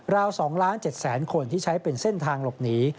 ราว๒๗๐๐คนที่ใช้เป็นเส้นทางหลบหนี